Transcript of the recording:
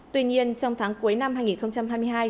tuy nhiên trong tháng cuối năm hai nghìn hai mươi hai